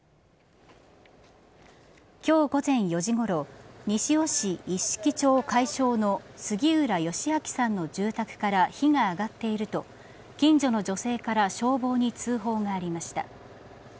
今日午前４時ごろ西尾市一色町開正の杉浦義明さんの住宅から火が上がっていると近所の女性から消防に通報がありました。